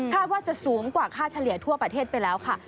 ว่าจะสูงกว่าค่าเฉลี่ยทั่วประเทศไปแล้วค่ะ